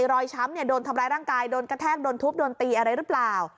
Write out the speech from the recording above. ช้ำโดนทำร้ายร่างกายโดนกระแทกโดนทุบโดนตีอะไรหรือเปล่า